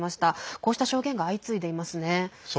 こうした証言が相次いでいますね。